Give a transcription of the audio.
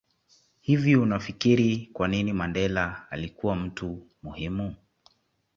Hivi unafikiri kwanini Mandela alikua mtu muhimu